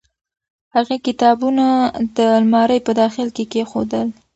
هغې کتابونه د المارۍ په داخل کې کېښودل.